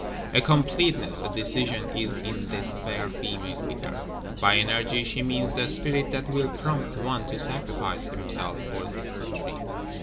A completeness, a decision is in this fair female Figure: "By energy she means the spirit that will prompt one to sacrifice himself for his country."